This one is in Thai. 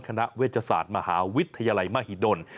คณะเวชศาสตร์มหาวิทยาลัยมหิดล